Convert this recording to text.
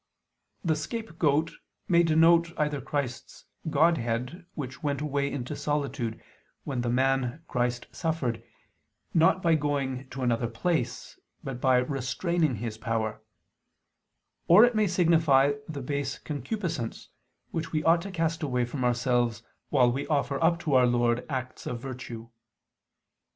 The scape goat may denote either Christ's Godhead Which went away into solitude when the Man Christ suffered, not by going to another place, but by restraining His power: or it may signify the base concupiscence which we ought to cast away from ourselves, while we offer up to Our Lord acts of virtue.